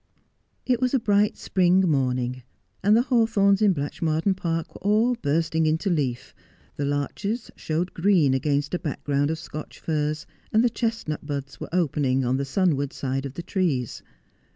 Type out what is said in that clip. It was a bright spring morning, and the hawthorns in Blatchmardean Park were all bursting into leaf, the larches showed green against a background of Scotch firs, and the chestnut buds were opening on the sunward side of the trees.